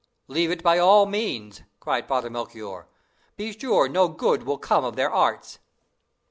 "Leave it by all means!" cried Father Melchoir; "be sure no good will come of their arts."